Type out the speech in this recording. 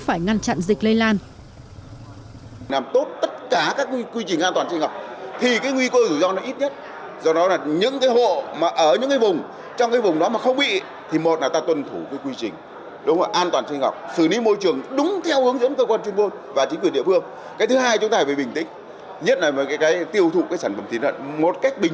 phải ngăn chặn dịch lây lan